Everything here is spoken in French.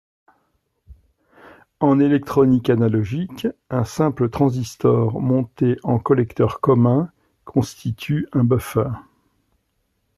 En électronique analogique, un simple transistor monté en collecteur commun constitue un buffer.